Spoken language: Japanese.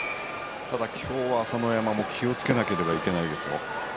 ただ今日は、朝乃山も気をつけなければいけないですよ。